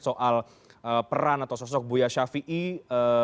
soal peran atau sosok buya syafiee